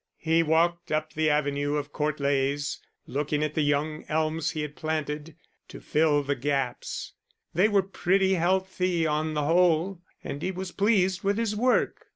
He walked up the avenue of Court Leys, looking at the young elms he had planted to fill the gaps; they were pretty healthy on the whole, and he was pleased with his work.